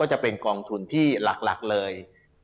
จะเป็นกองทุนที่หลักเลย